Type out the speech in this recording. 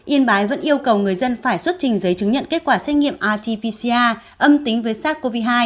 yên bái vẫn yêu cầu người dân phải xuất trình giấy chứng nhận kết quả xét nghiệm rt pcca âm tính với sars cov hai